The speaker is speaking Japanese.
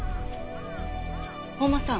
本間さん